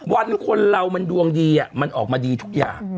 วันคนเรามันดวงดีมันออกมาดีทุกอย่าง